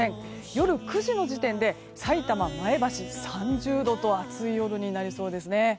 夜９時の時点でさいたま、前橋、３０度と暑い夜になりそうですね。